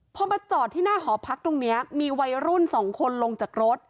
พอมาจอดที่หน้าหอพักตรงนี้มีวัยรุ่นสองคนลงจากรถ